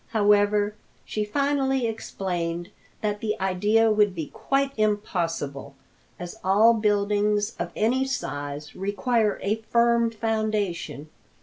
However, she finally explained that the idea would be quite impossible, as all buildings of any size require a firm foundation.